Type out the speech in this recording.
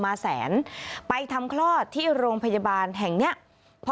พาพนักงานสอบสวนสนราชบุรณะพาพนักงานสอบสวนสนราชบุรณะ